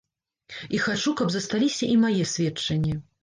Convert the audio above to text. І хачу, каб засталіся і мае сведчанні.